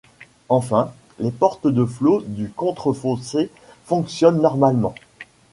Enfin, les portes de flot du contre-fossé fonctionnent normalement.